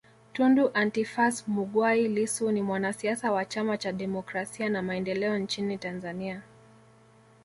Tundu Antiphas Mughwai Lissu ni mwanasiasa wa Chama cha Demokrasia na Maendeleo nchini Tanzania